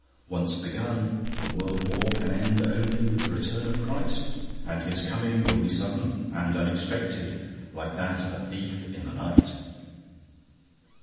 Once begun, the world war can end only with the return of Christ, and His coming will be sudden and unexpected, like that of a thief in the night.